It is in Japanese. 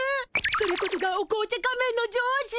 それこそがお紅茶仮面の上司。